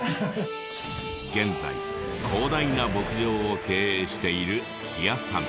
現在広大な牧場を経営している木谷さん。